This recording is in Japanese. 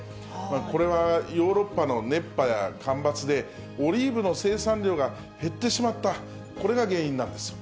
これは、ヨーロッパの熱波や干ばつで、オリーブの生産量が減ってしまった、これが原因なんです。